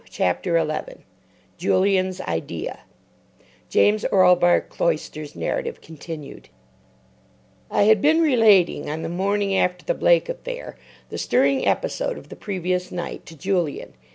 CHAPTER 11 JULIAN'S IDEA (James Orlebar Cloyster's narrative continued) I had been relating, on the morning after the Blake affair, the stirring episode of the previous night to Julian.